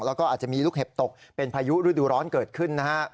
แล้วก็อาจจะมีลูกเห็บตกเป็นพายุฤดูร้อนเกิดขึ้นนะครับ